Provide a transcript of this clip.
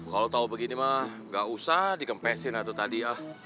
kalau tahu begini mah nggak usah dikempesin itu tadi